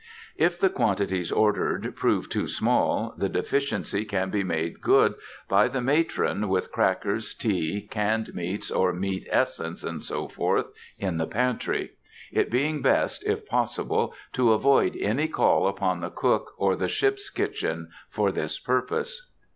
If the quantities ordered prove too small, the deficiency can be made good by the matron with crackers, tea, canned meats, or meat essence, &c., in the pantry; it being best, if possible, to avoid any call upon the cook or the ship's kitchen for this purpose.